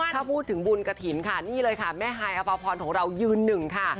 ถ้าพูดถึงบุญกระถิ่นค่ะนี่เลยค่ะแม่ฮายอภพรของเรายืนหนึ่งค่ะ